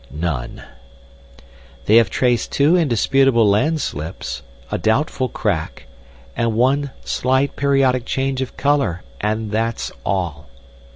"None." "They have traced two indisputable landslips, a doubtful crack, and one slight periodic change of colour, and that's all."